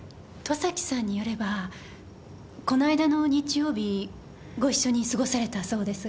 外崎さんによればこの間の日曜日ご一緒に過ごされたそうですが。